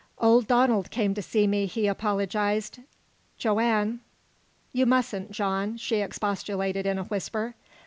"Old Donald came to see me," he apologized. "Joanne " "You mustn't, John!" she expostulated in a whisper.